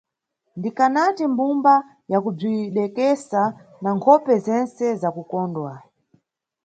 Ndikanati mbumba yakubzidekesa na nkhope zentse zakukondwa.